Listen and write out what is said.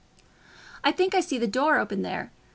"I think I see the door open, there.